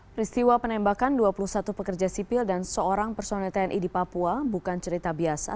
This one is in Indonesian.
peristiwa penembakan dua puluh satu pekerja sipil dan seorang personel tni di papua bukan cerita biasa